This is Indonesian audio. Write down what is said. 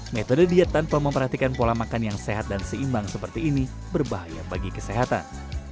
metode diet tanpa memperhatikan pola makan yang sehat dan seimbang seperti ini berbahaya bagi kesehatan